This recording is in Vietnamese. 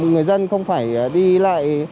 người dân không phải đi lại